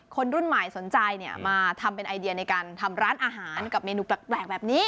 คนรุ่นใหม่สนใจมาทำเป็นไอเดียในการทำร้านอาหารกับเมนูแปลกแบบนี้